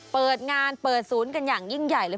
เปิดงานเปิดศูนย์กันอย่างยิ่งใหญ่เลย